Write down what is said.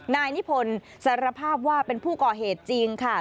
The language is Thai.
นายนิพนธ์สารภาพว่าเป็นผู้ก่อเหตุจริงค่ะ